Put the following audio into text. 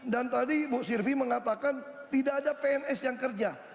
dan tadi ibu sirvi mengatakan tidak ada pns yang kerja